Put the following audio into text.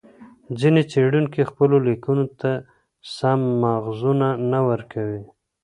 ځیني څېړونکي خپلو لیکنو ته سم ماخذونه نه ورکوي.